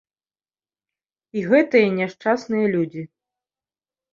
І гэтыя няшчасныя людзі.